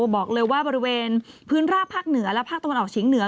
บอกเลยว่าบริเวณพื้นราบภาคเหนือและภาคตะวันออกเฉียงเหนือ